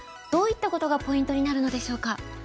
どういったことがポイントになるのでしょうか。